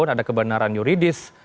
ada kebenaran juridis